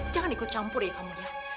jangan ikut campur ya kamu ya